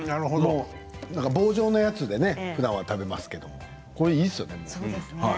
棒状のものをふだん食べますけれどこれもいいですね。